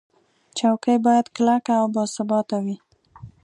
چوکۍ باید کلکه او باثباته وي.